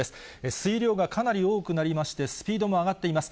水量がかなり多くなりまして、スピードも上がっています。